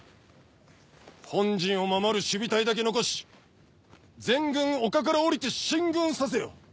本陣を守る守備隊だけ残し全軍丘から下りて進軍させよ。